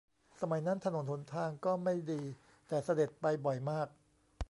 สมัยนั้นถนนหนทางก็ไม่ดีแต่เสด็จไปบ่อยมาก